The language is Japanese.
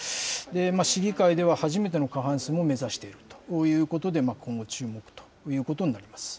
市議会では初めての過半数も目指しているということで今後、注目ということになります。